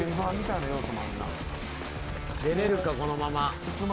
出れるか、このまま。